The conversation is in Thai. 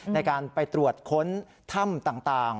ในการไปตรวจค้นถ้ำต่าง